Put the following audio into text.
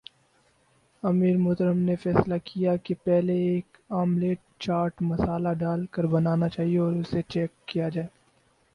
امیر محترم نے فیصلہ کیا کہ پہلے ایک آملیٹ چاٹ مصالحہ ڈال کر بنایا جائے اور اسے چیک کیا جائے